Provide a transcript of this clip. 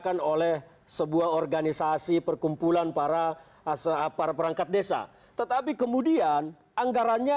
untuk mendukung petahanan